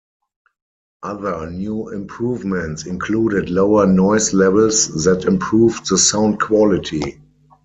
Other new improvements included lower noise levels that improved the sound quality.